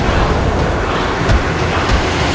yang katakan pada inggris